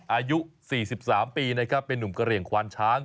อายุ๔๓ปีเป็นนุ่มกะเรียงควานช้าง